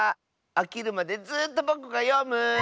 あきるまでずっとぼくがよむ。